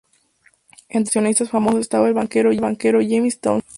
Entre estos accionistas famosos estaba el banquero James Townsend.